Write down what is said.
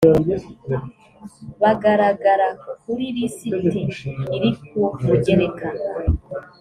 bagaragara kuri liste iri ku mugereka